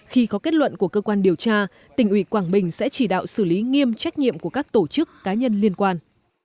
khi có kết luận của cơ quan điều tra tỉnh ủy quảng bình sẽ chỉ đạo xử lý nghiêm trách nhiệm của các tổ chức cá nhân liên quan